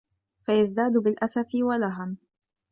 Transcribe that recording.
فَيَزْدَادُ بِالْأَسَفِ وَلَهًا